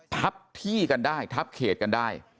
ทับที่กันได้ทับเขตกันได้